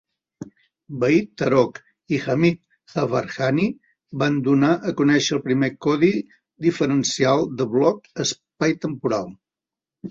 Vahid Tarokh i Hamid Jafarkhani van donar a conèixer el primer codi diferencial de bloc espai-temporal.